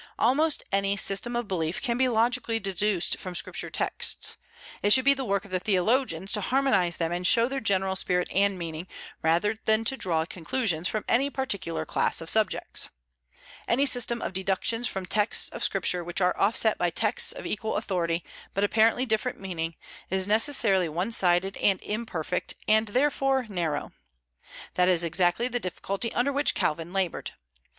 Almost any system of belief can be logically deduced from Scripture texts. It should be the work of theologians to harmonize them and show their general spirit and meaning, rather than to draw conclusions from any particular class of subjects. Any system of deductions from texts of Scripture which are offset by texts of equal authority but apparently different meaning, is necessarily one sided and imperfect, and therefore narrow. That is exactly the difficulty under which Calvin labored.